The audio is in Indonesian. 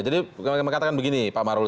jadi mengatakan begini pak maruli